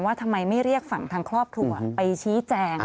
ทำไมไม่เรียกฝั่งทางครอบครัวไปชี้แจง